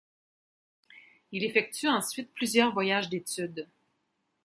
Il effectue ensuite plusieurs voyages d'études.